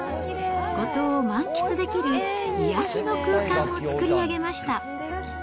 五島を満喫できる癒やしの空間を作り上げました。